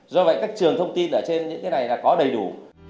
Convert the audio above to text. do vậy các trường thông tin ở trên những cái này là có đầy đủ